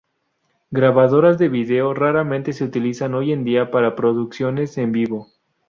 Grabadoras de vídeo raramente se utilizan hoy en día para producciones en vivo.